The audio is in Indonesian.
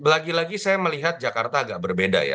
lagi lagi saya melihat jakarta agak berbeda ya